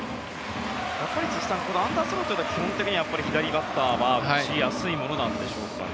やっぱり辻さんアンダースローというのは基本的には左バッターは打ちやすいものなんでしょうかね。